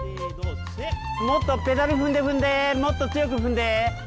もっとペダル踏んで踏んでもっと強く踏んで。